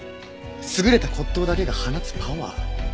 優れた骨董だけが放つパワー。